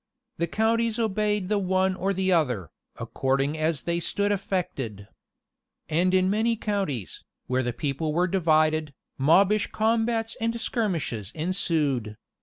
The counties obeyed the one or the other, according as they stood affected. And in many counties, where the people were divided, mobbish combats and skirmishes ensued.